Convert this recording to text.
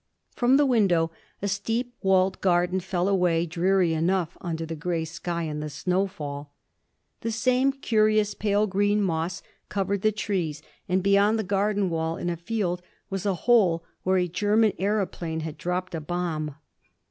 From the window a steep, walled garden fell away, dreary enough under the grey sky and the snowfall. The same curious pale green moss covered the trees, and beyond the garden wall, in a field, was a hole where a German aëroplane had dropped a bomb.